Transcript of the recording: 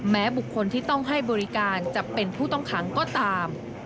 บุคคลที่ต้องให้บริการจะเป็นผู้ต้องขังก็ตาม